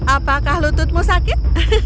apakah lututmu sakit